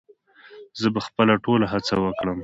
زه به خپله ټوله هڅه وکړم